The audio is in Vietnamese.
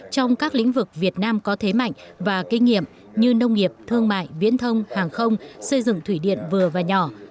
trong các lĩnh vực việt nam có thế mạnh và kinh nghiệm như nông nghiệp thương mại viễn thông hàng không xây dựng thủy điện vừa và nhỏ